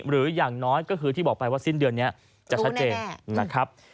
อย่างน้อยก็คือที่บอกไปว่าสิ้นเดือนนี้จะชัดเจนนะครับ